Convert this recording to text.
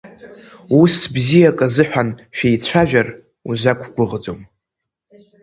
Ус бзиак азыҳәан шәеицәажәар, узақәгәыӷӡом.